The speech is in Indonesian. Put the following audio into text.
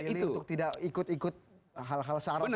untuk tidak ikut ikut hal hal seharusnya